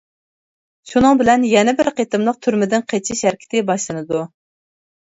شۇنىڭ بىلەن يەنە بىر قېتىملىق تۈرمىدىن قېچىش ھەرىكىتى باشلىنىدۇ.